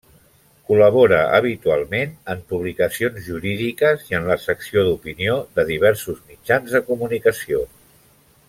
Col·labora habitualment en publicacions jurídiques i en la secció d'opinió de diversos mitjans de comunicació.